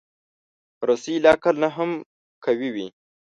رسۍ له عقل نه هم قوي وي.